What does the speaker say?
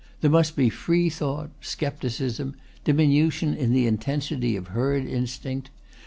There must be free thought, scepticism, diminution in the intensity of herd instinct.